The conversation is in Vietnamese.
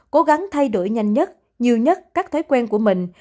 cố gắng thay đổi nhanh nhất nhiều nhất các thói quen của mình